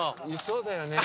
そうだよね。